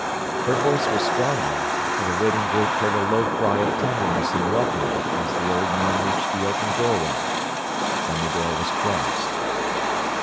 Her voice was stronger, for the waiting group heard a low cry of tenderness and welcome as the old man reached the open doorway. Then the door was closed.